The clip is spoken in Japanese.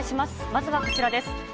まずはこちらです。